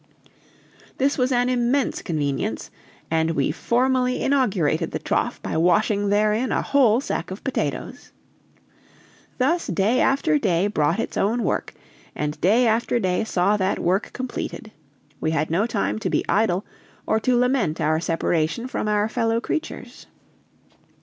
This was an immense convenience, and we formally inaugurated the trough by washing therein a whole sack of potatoes. Thus day after day brought its own work, and day after day saw that work completed. We had no time to be idle, or to lament our separation from our fellow creatures.